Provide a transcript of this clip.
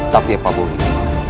tapi apa boleh